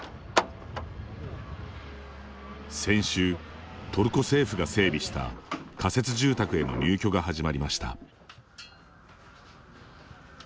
先週、トルコ政府が整備した仮設住宅への入居が始まりました。